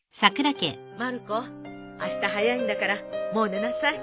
まる子あした早いんだからもう寝なさい。